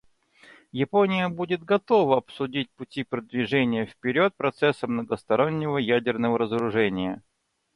Япония будет готова обсудить пути продвижения вперед процесса многостороннего ядерного разоружения.